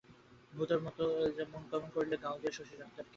ভুতোর জন্য মন কেমন করিলে গাওদিয়ার শশী ডাক্তারকে স্মরণ করিয়া শিহরিয়া উঠিবে।